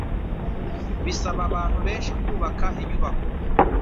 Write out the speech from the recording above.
Bisaba abantu benshi kubaka inyubako.